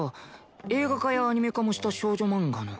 映画化やアニメ化もした少女マンガの。